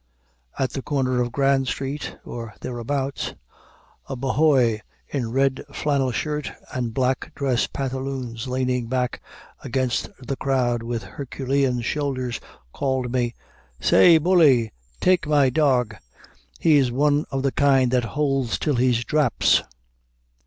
At the corner of Grand Street, or thereabouts, a "bhoy" in red flannel shirt and black dress pantaloons, leaning back against the crowd with Herculean shoulders, called me, "Saäy, bully! take my dorg! he's one of the kind that holds till he draps."